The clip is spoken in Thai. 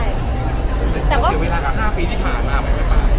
แต่ว่าเกิดเสียเวลากับ๕ปีที่ผ่านมามันไม่ปลอด